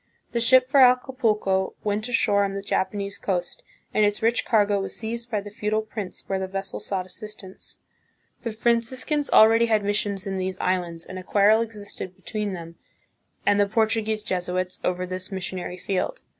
The ship for Acapulco went ashore on the Japanese coast and its rich cargo was seized by the feudal prince where the vessel sought assist ance. The Franciscans already had missions in these islands, and a quarrel existed between them and the Portuguese Jesuits over this missionary field.